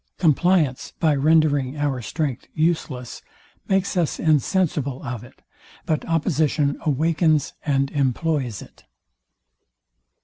Compliance, by rendering our strength useless, makes us insensible of it: but opposition awakens and employs it.